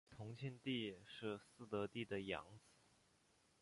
同庆帝是嗣德帝的养子。